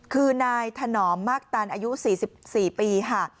คือนายถนอมมากตันอายุ๔๔ปีค่ะ